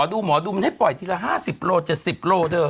ดูหมอดูมันให้ปล่อยทีละ๕๐กิโลเจ็ด๑๐กิโลเท่าไหร่